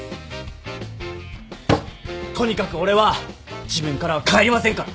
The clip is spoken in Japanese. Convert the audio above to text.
とにかく俺は自分からは帰りませんから！